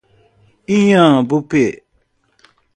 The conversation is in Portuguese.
Inhambupe